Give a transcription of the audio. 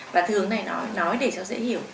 và thường này nói để cho dễ hiểu